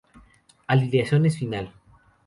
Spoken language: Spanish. Alineaciones Final